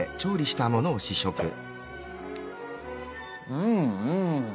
うんうん！